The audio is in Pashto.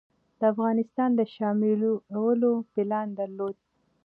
د افغانستان د شاملولو پلان درلود.